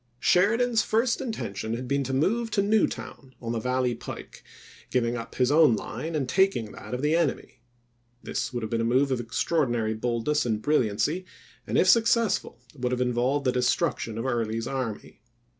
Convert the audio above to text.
Sheridan's first intention had been to move to Newtown, on the valley pike, giving up his own line, and taking that of the enemy. This would have been a move of extraordinary boldness and brilliancy, and if successful would have involved the destruction of Early's army.